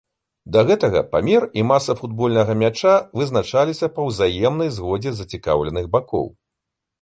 Да гэтага памер і маса футбольнага мяча вызначаліся па ўзаемнай згодзе зацікаўленых бакоў.